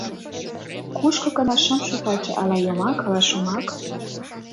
Кушко гына шым шу таче — ала йомак, ала шомак.